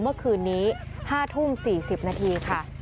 เมื่อคืนนี้๕ทุ่ม๔๐นาทีค่ะ